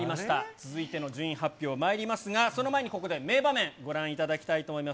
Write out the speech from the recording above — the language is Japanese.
続いての順位発表、まいりますが、その前に、ここで名場面、ご覧いただきたいと思います。